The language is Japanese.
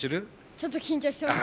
ちょっと緊張してます。